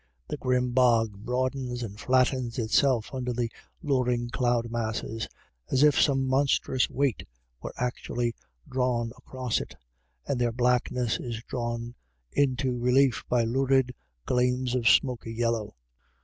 The grim bog broadens and flattens itself under the louring cloud masses, as if some monstrous weight were actually drawn across it, and their blackness is thrown into relief by lurid gleams of smoky yellow.